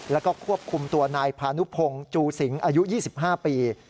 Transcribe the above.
แล้วก็ควบคุมตัวนายพานุพงศ์จูสิงอายุ๒๕ปี